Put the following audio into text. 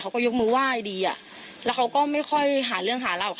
เขาก็ยกมือไหว้ดีอ่ะแล้วเขาก็ไม่ค่อยหาเรื่องหาเราค่ะ